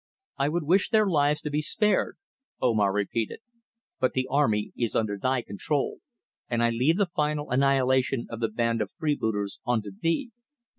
"I would wish their lives to be spared," Omar repeated. "But the army is under thy control, and I leave the final annihilation of the band of freebooters unto thee.